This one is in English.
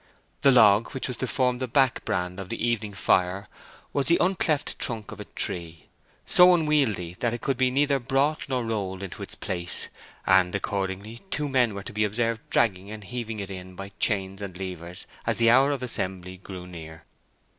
The log which was to form the back brand of the evening fire was the uncleft trunk of a tree, so unwieldy that it could be neither brought nor rolled to its place; and accordingly two men were to be observed dragging and heaving it in by chains and levers as the hour of assembly drew near.